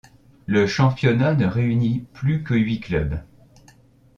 Le championnat ne réuni plus que huit clubs.